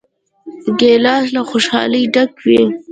ګیلاس له خوشحالۍ ډک وي.